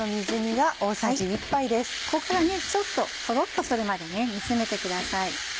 ここからちょっととろっとするまで煮詰めてください。